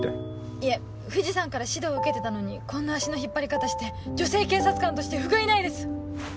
いえ藤さんから指導受けてたのにこんな足の引っ張り方して女性警察官としてふがいないです。